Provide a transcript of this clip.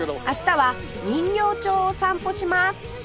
明日は人形町を散歩します